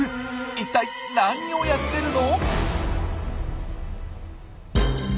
一体何をやってるの？